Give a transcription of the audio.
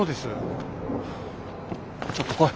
ちょっと来い。